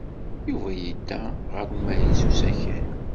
Yuba yedda ɣer umahil s usakal.